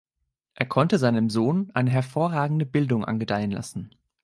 Er konnte seinem Sohn eine hervorragende Bildung angedeihen lassen.